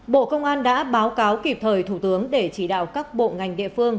bộ công an đã báo cáo kịp thời thủ tướng để chỉ đạo các bộ ngành địa phương